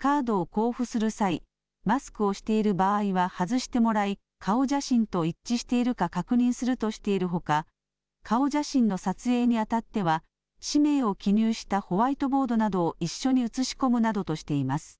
カードを交付する際、マスクをしている場合は外してもらい顔写真と一致しているか確認するとしているほか顔写真の撮影にあたっては氏名を記入したホワイトボードなどを一緒に写し込むなどとしています。